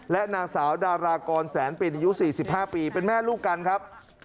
และนางสาวดารากรแสนปินอายุ๔๕ปีเป็นแม่ลูกกันครับ